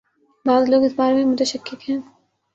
بعض لوگ اس بارے میں متشکک ہیں۔